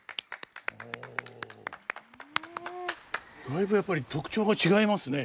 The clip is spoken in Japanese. だいぶやっぱり特徴が違いますね。